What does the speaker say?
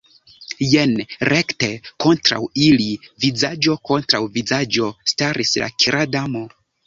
Jen, rekte kontraŭ ili, vizaĝo kontraŭ vizaĝo, staris la Kera Damo.